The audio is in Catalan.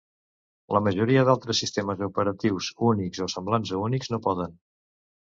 La majoria d'altres sistemes operatius Unix o semblants a Unix no poden.